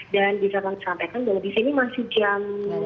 dan bisa saya sampaikan bahwa di sini masih jam